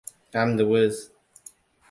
I'm the Wiz!